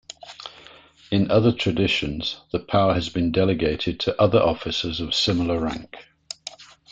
In other traditions, the power has been delegated to other officers of similar rank.